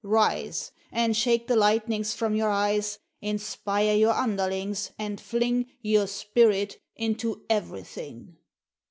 Rise And shake the lightnings from your eyes; Inspire your underlings, and fling Your spirit into everything!"